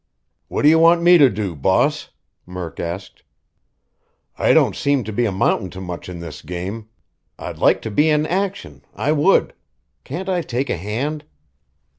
"What do you want me to do, boss?" Murk asked. "I don't seem to be amountin' to much in this game. I'd like to be in action, I would! Can't I take a hand?"